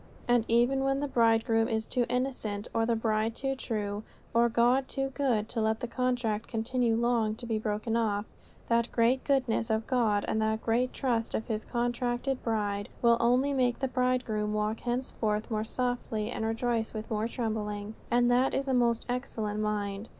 And even when the bridegroom is too innocent, or the bride too true, or God too good to let the contract continue long to be broken off, that great goodness of God and that great trust of his contracted bride will only make the bridegroom walk henceforth more softly and rejoice with more trembling. And that is a most excellent mind.